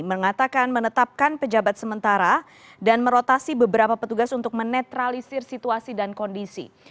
mengatakan menetapkan pejabat sementara dan merotasi beberapa petugas untuk menetralisir situasi dan kondisi